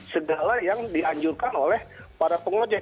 segala yang dianjurkan oleh para pengojek